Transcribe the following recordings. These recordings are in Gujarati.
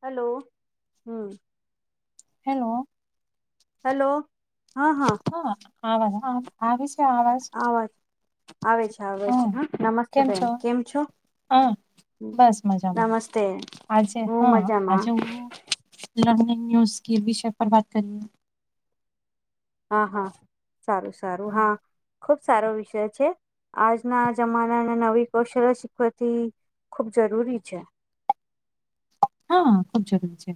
હલો હમ. હેલો. હેલો. હા હા હા [unintelligible] આવે છે આવાજ? આવે છે આવે છે હા નમસ્તે બેન કેમ છો? હા બસ મજામાં નમસ્તે આજે હઅ હું મજામાં આજે હું લર્નિંગ ન્યુઝ કે વિષય પર વાત કરીએ. હા હા સારું સારું હા. ખુબ સારો વિષય છે. આજના જમાનાને નવી કૌશલ્ય શીખવાથી ખુબ જરૂરી છે. હા ખુબ જરૂરી છે.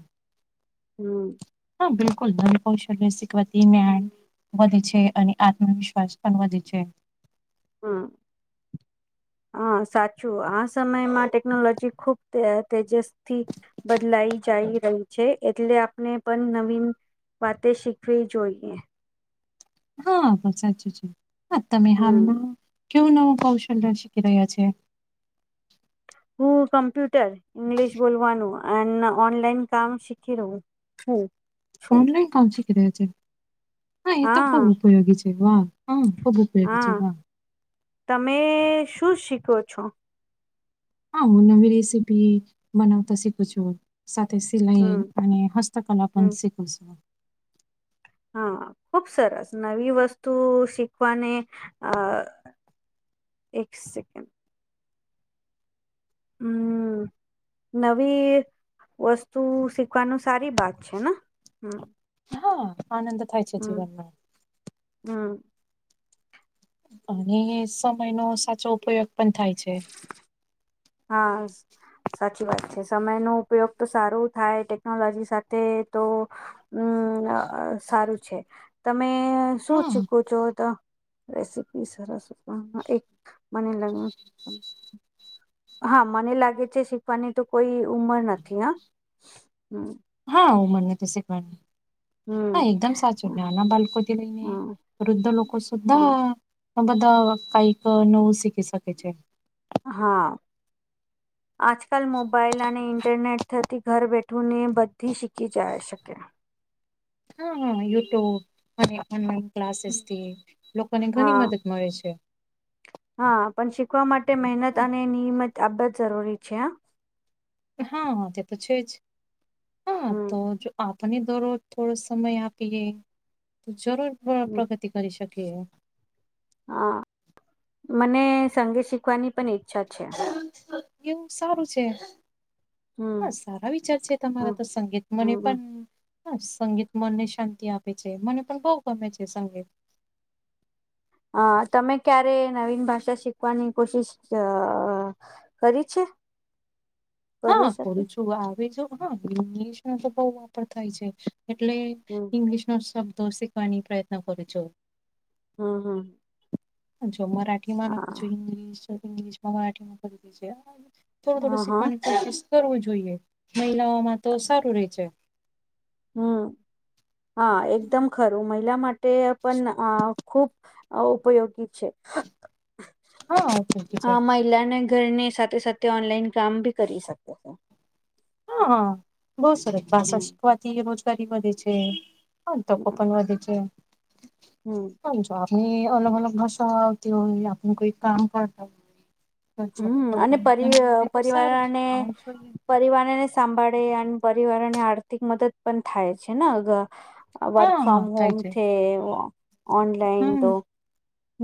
હમ. હા બિલકુલ ધન [unintelligible] વધે છે અને આત્મવિશ્વાસ પણ વધે છે. [inaudible] આ સાચું આ સમયમાં ટેકનોલોજી ખુબ તેજસ્થી બદલાઈ જાઈ રહી છે. એટલે આપણે પણ નવીન વાતે શીખવી જોઈએ. હા બ સાચું છે. અ તમે હમ હાલમાં કેવું નવું કૌશલ્ય શીખી રહ્યા છે. હું કમ્પ્યુટર ઈંગ્લિશ બોલવાનું [unintelligible] ઓનલાઈન કામ શીખી રહું હમ. ઓનલાઈન કામ શીખી રહ્યા છે હા એ તો ખુબ ઉપયોગી છે વાહ હમ્મ ખુબ ઉપયોગી છે હા વાહ તમે શું શીખો છો? હા હું નવી રેસીપી બનાવતા શીખું છું. સાથે સિલાઈ હમ અને હસ્તકલા પણ હમ શીખું છું. હા ખુબ સરસ નવી વસ્તુ શીખવાને અ એક સેકન્ડ હમ્મ. નવી વસ્તુ શીખવાનું સારી બાત છે ને હમ્મ હા આનંદ થાય છે જીવનમાં હમ્મ અને સમય નો સાચો ઉપયોગ પણ થાય છે. હા સાચી વાત છે સમયનો ઉપયોગ તો સારું થાય ટેકનોલોજી સાથે તો હમ્મ સારું છે તમે શું હા, શીખો છો તો રેસીપી સરસ પણ એક મને લાગે હા મને લાગે છે શીખવાની તો કોઈ ઉમર નથી હ હમ્મ હા મને તો શીખવા હા હમ એકદમ સાચું નાના બાળકો થી લઈને હમ વૃદ્ધ લોકો સુધા બધા કઈક નવું શીખી શકે છે. હા આજકાલ મોબાઈલ અને ઇન્ટરનેટ થકી ઘર બેઠું ને બધી શીખી જાય શકે હા હા યુટ્યુબ અને ઓનલાઈન ક્લાસીસ થી લોકોને ઘણી હા મદદ મળે છે. હા પણ શીખવા માટે મહેનત અને નિયમત આ બધું જરૂરી છે હ હા તે તો છે જ હા તો હમ જો આપને દરરોજ થોડો સમય આપીએ તો જરૂર હમ પ્રગત તો કરી શકીએ હા મને સંગીત શીખવાની પણ ઈચ્છા છે. [inaudible] લેકિન સારું છે હા હમ સારા વિચાર છે હમ તમારા તો સંગીત મને હમ પણ હ સંગીત મનને શાંતિ આપે છે મને પણ બહુ ગમે છે સંગીત અ તમે ક્યારે નવીન ભાષા શીખવાની કોશિશ અ કરી છે. હા કરવી શકે કરુ છું આવે જો હા ઇંગ્લિશ નો તો બોવ વાતો થાય છે. એટલે હમ ઇંગ્લિશ નો શબ્દો શીખવાની પ્રયત્ન કરું છું હમ્મ હમ્મ. જો મરાઠી માં નાખું છું ઇંગ્લિશ ઇંગ્લિશ માં મરાઠીમાં કરી છે થોડું હા થોડું હા શીખવાની કોશિશ કરવું જોઈએ મહિલાઓમાં તો સારું રે છે. હમ હા એકદમ ખરું મહિલા માટે પણ આ ખુબ ઉપયોગી છે. હા ઓકે ઓકે છે લેનલાઈન ઘરની સાથે સાથે ઓનલાઈન કામ બી કરી શકે છે હ બહુ સરસ ભાષા હમ શીખવાથી રોજગારી વધે છે. હા તો કુપન વધે છે હમ્મ. છો આપણી અલગ અલગ ભાષાતી હોય આપણું કોઈ કામ કરતા હોય જોબ હમ્મ અને કરતા હોય પરિ તેના માટે તો સારું છે પરિવારને આવું જોઈએ પરિવારને સાંભાળે અને પરિવાર ને આર્થિક મદદ પણ થાય છે ને હવ વર્ક હા હા ફ્રોમ થાય હોમ છે થ ઓનલાઈન હમ તો ન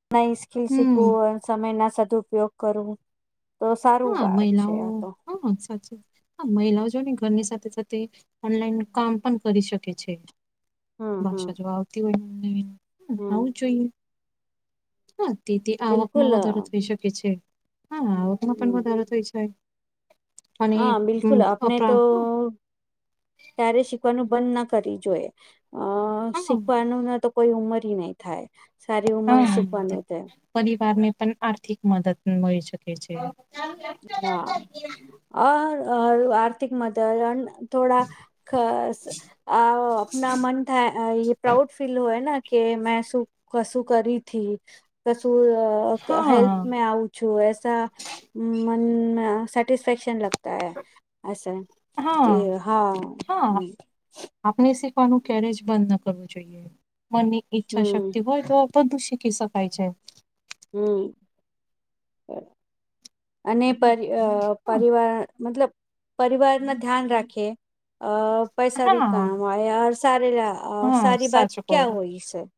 કલ હમ શકું સમય ના સદઉપયોગ કરું હા, મહિલાઓ તો હા સાચી હા મહિલાઓ જો ને ઘરની સાથે સાથે ઓનલાઈન કામ પણ કરી શકે છે. હમ હમ ભાષા જો આવતી હોય ને હમ આવું જોઈએ હા તેથી આવકમાં બિલકુલ વધારો થઈ શકે છે, હા આવક એમાં પણ હમ વધારો થય જાય અને હા બિલકુલ આપને તો અપરા ત્યારે શીખવાનું બંધ ના કર જોઈએ અ હા શીખવાનું તો- - કોઈ ઉંમર નહી, થાય- - હા, પરિવાર ને પણ આર્થિક મદદ મળી શકે છે. હા, અ આર્થિક મદ- - થોડા મન થાય પ્રાઉડ ફીલ હોય- - કે મેં શું કશું કરીથી કશું હેલ્પ હા મેં આવું- - છુંસા, મન સેટિસ્ફેક્શન લગતા હૈ- - કે હા હ- - આપને શીખવાનું ક્યારે જ બંધ ના કરવું જોઈએ મનની ઈચ્છા હમ શક્તિ હોય, તો- - બધું શકી શકાાય છે. હમ. અને પર પરિવાર મતલબ પરિવાર ન ધ્યાન રાખે- - અ પૈસા ભી હા કામવાયા સાર લ સારી બાત સાચું કહો ક્યા હોય- -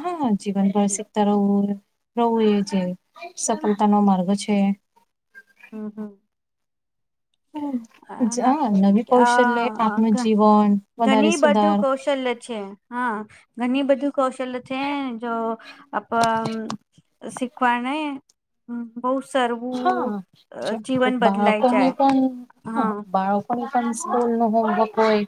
હા હા જીવનભર હમ શીખતા રહવું. રહવું એ છે સફળતા નો માર્ગ છે. હમ હમ. હ ના નવી, કૌશલ્ય આ આપનું જીવન વધારે સુધાર- - ચલે છે. હા ઘણી બધી કૌશલ્ય છે જો આપ- - શીખવા હ બહ સરવું- - બાર ક નિ પણમ હ હા બાર- - કોઈ પણ હમ સ્કૂલ નું હોમવર્ક હોય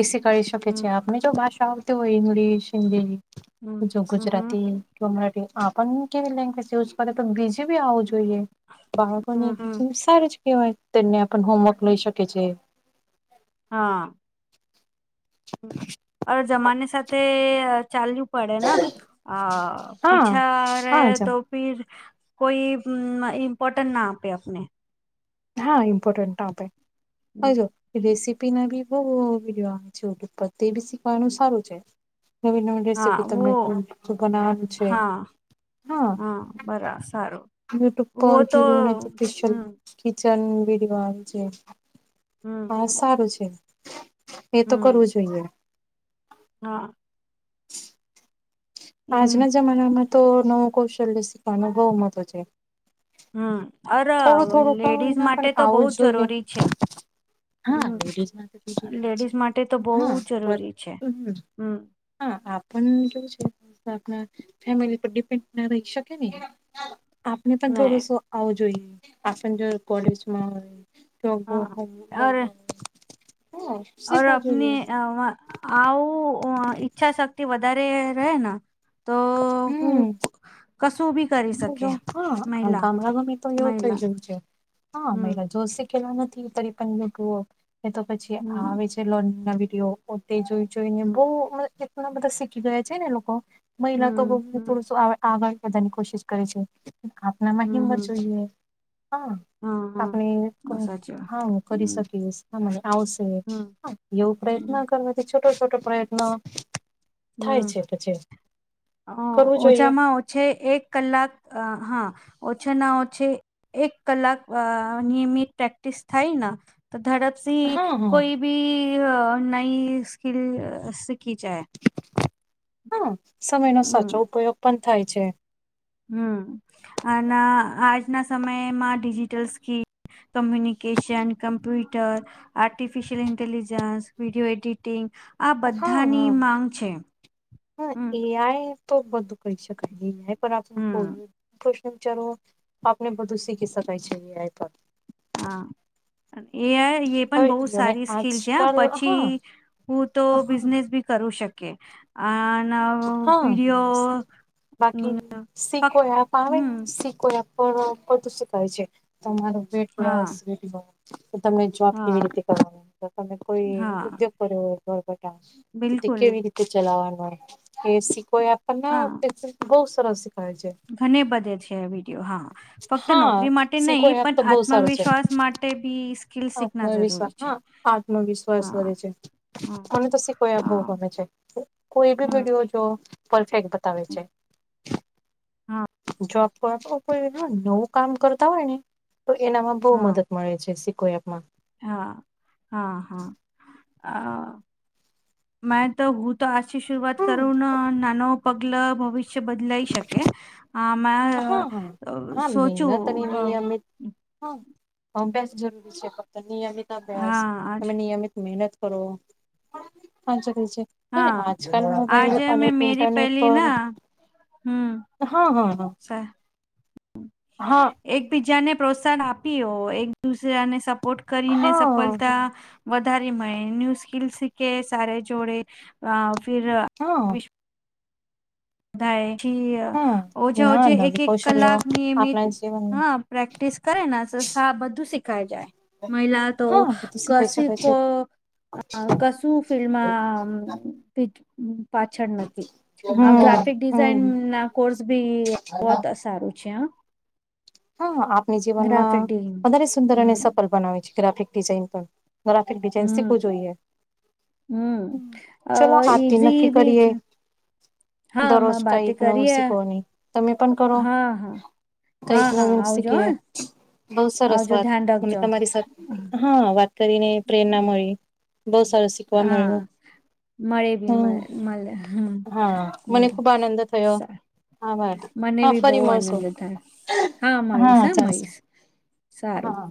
એસી કરી શકે હમ છે આપ- - હમે જો ભાષાઓતી હોય ઇગ્લિશ હિન્દી હમ જો હમ હમ ગુજરાતી- - મરાઠી આપણ કેવી લેંગ્વેજ યુઝ કરે તો બીજી બી આવું જોઈએ. બાળકોને હમ હમ સાર જ કેહેવાય તેમને આપ હોમવર્ક લઈ શકે છે. હા. જમાની સાથે ચાલ્યું- - પડે ના અ હા પીછા રહે હા જ તો- - ફર કોઈ મ્પોર્ટન ના આપે આપને- - હા, ઇમ્પોર્ટન્ટ ટપે હ જો ર- - બી બહ છેપ, બી શીખવાનું સારું છે- - નવી નવી હા રેસીપી વો તને કો બનાવવાનું છે. હા હા બરા સારું યુટ્યુબ કધને તો- હમ - કિચન વિડવા છે હમ હા સારું છે- - એ તો કરવું હમ જોઈએ- - હા. હમ આજના જમાનામાં તો નવું કૌશલ્ય શીખવાનો બો મહત્ત્વ છે. હમ અરે થોડું થોડું કરું લેડીઝ એના માટે પણ તો બહુ આવું જ જોઈએ. જરૂરી છે હમ હાલેજ માટે બ જરૂરી છે લેડીઝ માટે તો બહુ હા. જ જરૂરી છે હમ હા આપણ જો છે- - ફેમિલી પર ડિપેન્ડ ના રહી શકે ને આપને પણ ને થોડુંસો- - આવું જોઈએ આજર કોલેજમાં હોય- - તો હા ગોહમ ઓર મહિલા હા- - ઓર આપની આવું ઈચ્છા શક્તિ વધારે રહે ને- - તો હું કશું બી- - જો હા ગામડા ગમે તો એવું થઈ મહિલા ગયું છે હા હમ મરા જોશ- - કેલા નથીતરી પણ યુટ્યુબ એ તો પછી હમ આવે છે લોન ના વિડીયો- - પો તે જોઈ જોઈને હમ બહ એટણા બધા શીખી ગયા છે ને લોકો મહિલા તો હમ બહુ હમ થોડું આગળ વધાની કોશિશ કરે છે આપનામાં હમ હમ હિંમત જોઈએ હા આપણે હઓ હ સાચી વાત હું કરી હમ શકીશ તમાને આવશે એવું પ્રયત્ન હમ કરવાથી છોટો છોટો પ્રયત્ન થાય હમ્મ છે પછી અ કરવું જોઈએ ઓછામાં ઓછે છે એક કલાક હા ઓછા ના ઓછે એક કલાક નિયમિત પ્રેક્ટિસ થાય ને તો ધડપથી હા હા કોઈ ભી નઈ સ્કિલ સીખી જાય હા સમયનો સાચો ઉપયોગ પણ થાય છે હમ્મ અને આજના સમયમાં digital scheme communication computer artificial intelligence video editing આ હા બધાની હા માંગ છે હમ્મ ન્યા તો બધું કહી શકાય ન્યાય પણ આપ હમ કોઈ ફ્યુચરો આપને બધું શીખી શકાય છે એ આઈ કરી હા એ આઈ એ પણ હવે બહુ જોને સારી સ્કીિલ છે હ આજકાલ હા પછી હું તો હા બિઝનેસ બી કરું શકે અને હા વિડીયો બાકી સીકો ફક્ત એપ આવે ને હમ સી કો એપ પણ બધું શીખાય છે તમારો વેટ હા લોસ તો તમને જોબ હા કેવી રીતે કરવાની તમે કોઈ હા ઉદ્યોગ કર્યો હોય ઘરઘરના તે બિલકુલ કેવી રીતે ચલાવાનુંય સી કો એપ હા પણ તે બહુ સરસ શીખાવે છે ઘને બધે છે વિડીયો હા ફક્ત હા નોકરી માટે સિકો નહીં એપ પણ તો બહુ સારું છે. આત્મવિશ્વાસ માટે તે બીસ આત્મવિશ્વાસ હા આત્મવિશ્વાસ હા વધે છે મને હમ તો કો હા ગમે છે કોઈ બી હમ વિડયો તો પરફેક્ટ બતાવે છે હા જોબ તો કોઈ નવું કામ કરતા હોય ને તો એનામાં બહુ હા મદદ મળે છે શીખો આપમાં હા હા હા અ મે તો હુ તો આજથી શરૂઆત હમ કરું નાનો પગલ ભવિષ્ય બદલાઈ શકે હા મે હા હા હા મહેનત અને સોચું નિયમિત હા અભ્યાસ જરૂરી છે ફક્ત નિયમિત અભ્યાસ હા આજ તમે નિયમિત મહેનત કરો ફોન ચાલે છે હા આજકાલ મોબાઈલ આજે અને મેં મેરી ઇન્ટરનેટ પહેલી પર ના હા હા હ છે હા. એકબીજાને પ્રોત્સાહન આપી એક દુસરાને સપોર્ટ કરીને હા સફળતા હા વધારે મળે ન્યૂ સ્કીલ શીખે સારે જોડે ફિર હા થાય જી હા ઓજા ના ઓજા એક નવી એક કૌશલ્યો કલાક નિયમિત આપણા જીવનમાં હા પ્રેક્ટિસ કરે ને તો સા બધું શીખાઈ જાય મહિલા તો હા બધું શીખાઈ કસી શકાય છે કો આ કશું ફિલ્ડમાં પાછળ નથી આ હમ ગ્રાફ કસ ડિઝાઇન હમ ના કોર્સ ભી બહું સારું છે હ હા આપણી ગ્રાફિક જીવનમાં ડિઝાઇન વધારે સુંદર અને હમ સફળ બનાવે છે ગ્રાફિક ડિઝાઇન પણ ગ્રાફિક ડીઝાઇન શીખવું જોઈએ. હમ્મ અ ચલો આજથી નક્કી ઈઝી બી કરીએ છે. હા દરરોજ માં કઈ બાતે નવું કરીએ શીખવાની તમે પણ કરો. હા હા કઈક હા હા નવું આવજો હ શીખીએ બહુ સરસ આવજો વાત ધ્યાન તમે રાખજો તમારી સાથે. હા વાત કરીને પ્રેરણા મળી બહુ સરસ શીખવા હા. મળ્યું મળે ભી હમ મળે હમ હા મને ખુબ આનંદ થયો હ આભાર મને હા બી બહુ ફરી મળશો આનંદ થાય. હા મળીશ હા મળીશ સારું. હા